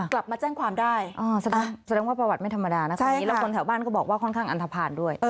กลับมาแจ้งความได้แสดงว่าประวัติไม่ธรรมดานะตอนนี้แล้วคนแถวบ้านก็บอกว่าค่อนข้างอันทภาณด้วย